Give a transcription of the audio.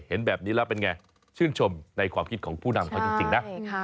เห็นแบบนี้แล้วเป็นไงชื่นชมในความคิดของผู้นำเขาจริงนะ